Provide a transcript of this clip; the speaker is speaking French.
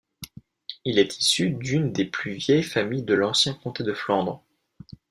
Il est issu d’une des plus vieilles familles de l’ancien comté de Flandre.